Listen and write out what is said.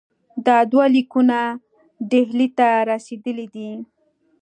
دا دوه لیکونه ډهلي ته رسېدلي دي.